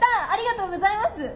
ありがとうございます！